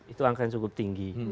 itu angka yang cukup tinggi